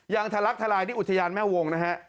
ทะลักทลายที่อุทยานแม่วงนะฮะ